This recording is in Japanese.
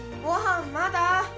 ごはんまだ？